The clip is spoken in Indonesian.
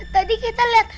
tadi kita lihat